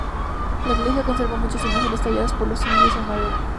La Iglesia, conserva muchas imágenes talladas por los indios en madera.